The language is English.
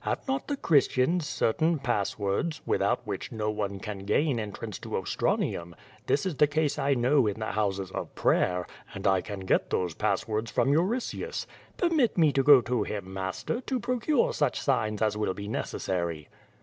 Have not the Christians certain passwords, without which no one can gain entrance to Ostranium? This is the case I know in the houses of prayer, and I can get those passwords from Euritius. Permit me to go to him, master, to procure such signs as will be necessary."